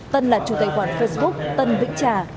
tân là chủ tài khoản facebook tân vĩnh trà